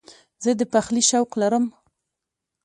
زه د پخلي شوق لرم.